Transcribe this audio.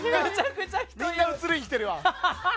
みんな映りに来てるわ。